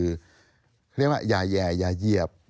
เขาเรียกว่าอย่าแย่อย่าเหยียบ